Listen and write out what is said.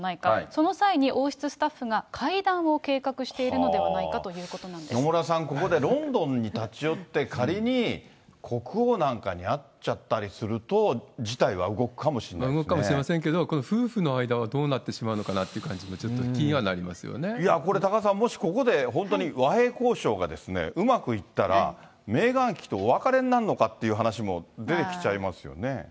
その際に王室スタッフが会談を計画しているのではないかというこ野村さん、ここでロンドンに立ち寄って、仮に国王なんかに会っちゃったりすると、動くかもしれませんけど、夫婦の間はどうなってしまうのかなというのも、ちょっと気にはなりいやー、これもし多賀さん、本当に和平交渉がうまくいったら、メーガン妃とお別れになるのかっていうのも出てきちゃいますよね。